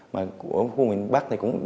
mà của khu vực đó cũng không có